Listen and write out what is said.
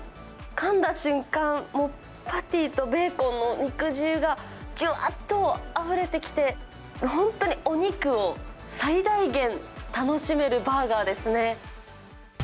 かんだ瞬間、もうパティとベーコンの肉汁がじゅわっとあふれてきて、本当にお肉を最大限楽しめるバーガーですね。